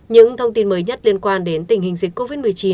những thông tin mới nhất liên quan đến tình hình dịch covid một mươi chín